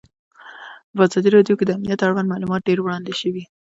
په ازادي راډیو کې د امنیت اړوند معلومات ډېر وړاندې شوي.